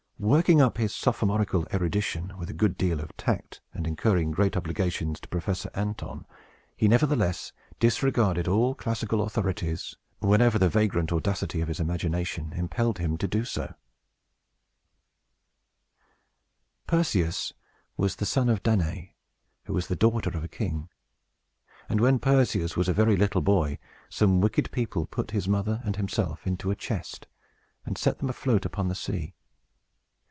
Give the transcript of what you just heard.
Working up his sophomorical erudition with a good deal of tact, and incurring great obligations to Professor Anthon, he, nevertheless, disregarded all classical authorities, whenever the vagrant audacity of his imagination impelled him to do so. THE GORGON'S HEAD Perseus was the son of Danaë, who was the daughter of a king. And when Perseus was a very little boy, some wicked people put his mother and himself into a chest, and set them afloat upon the sea.